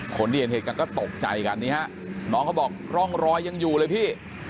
คนที่เห็นเหตุการณ์ก็ตกใจกันนี่ฮะน้องเขาบอกร่องรอยยังอยู่เลยพี่